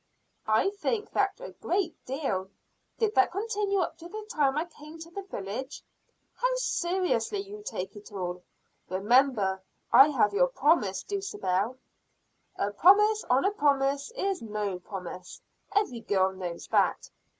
"I think that a great deal. Did that continue up to the time I came to the village?" "How seriously you take it all! Remember, I have your promise, Dulcibel." "A promise on a promise is no promise every girl knows that.